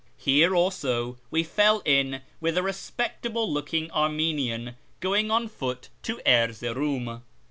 Here also we fell in with a respectable looking Armenian going on foot to Erzeroum.